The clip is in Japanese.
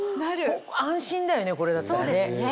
安心だよねこれだったらね。